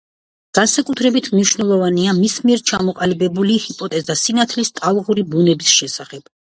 განსაკუთრებით მნიშვნელოვანია მის მიერ ჩამოყალიბებული ჰიპოთეზა სინათლის ტალღური ბუნების შესახებ.